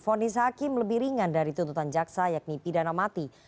fonis hakim lebih ringan dari tuntutan jaksa yakni pidana mati